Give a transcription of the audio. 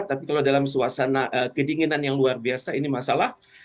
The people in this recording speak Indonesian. tapi kalau dalam suasana kedinginan yang luar biasa ini masalah